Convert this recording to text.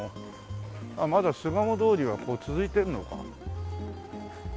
あっまだ巣鴨通りは続いてるのか。